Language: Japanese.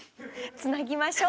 つなぎましょう！